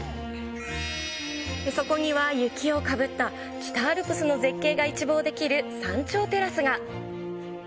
そこには雪をかぶった北アルプスの絶景が一望できる山頂テラスが。